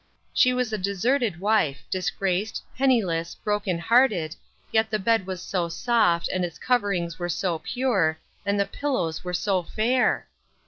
She was a deserted wife, disgraced, penniless, broken hearted, yet the bed was so soft, and its coverings were so pure, and the pillows were so fair